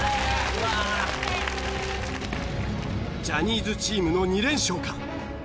ジャニーズチームの２連勝か？